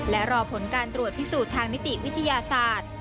และรอผลการตรวจพิสูจน์ทางนิติวิทยาศาสตร์